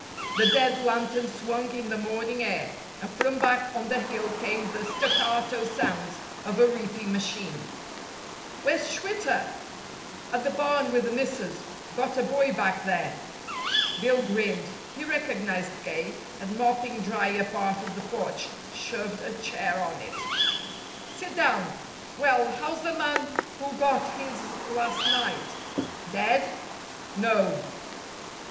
The dead lanterns swung in the morning air, and from back on the hill came the staccato sounds of a reaping machine. "Where's Schwitter?" "At the barn with the missus. Got a boy back there." Bill grinned. He recognized K., and, mopping dry a part of the porch, shoved a chair on it. "Sit down. Well, how's the man who got his last night? Dead?" "No."